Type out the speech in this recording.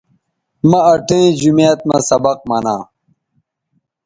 مہ اٹھئیں جومیت مہ سبق منا